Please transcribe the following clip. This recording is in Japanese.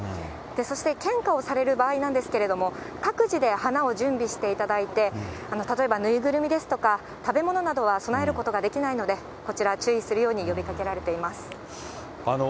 そして献花をされる場合なんですけども、各自で花を準備していただいて、例えば、縫いぐるみですとか、食べ物などは供えることはできないので、こちら、注意するよう呼びかけられています。